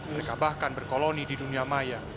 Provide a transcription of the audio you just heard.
mereka bahkan berkoloni di dunia maya